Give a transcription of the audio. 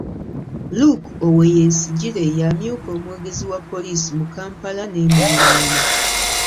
Luke Owoyesigire, y'amyuka omwogezi wa poliisi mu Kampala n'emiriraano